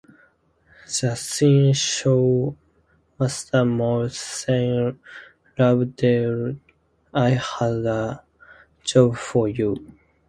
The scene shows Master Mold saying Lobdell, I have a job for you.